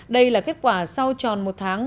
đây là kết quả sau tròn một tháng